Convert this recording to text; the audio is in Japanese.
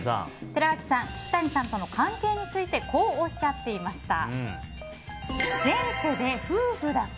寺脇さん岸谷さんとの関係についてこうおっしゃっていました。